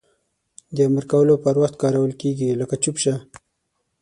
د امر کولو پر وخت کارول کیږي لکه چوپ شه!